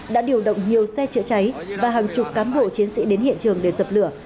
đã điều động nhiều xe chữa cháy và hàng chục cán bộ chiến sĩ đến hiện trường để dập lửa